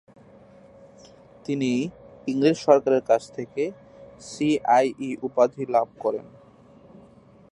তিনি ইংরেজ সরকারের কাছ থেকে সি আই ই উপাধি লাভ করেন।